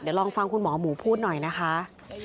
เดี๋ยวลองฟังคุณหมอหมูพูดหน่อยนะคะ